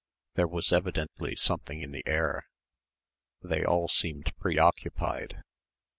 There was evidently something in the air. They all seemed preoccupied.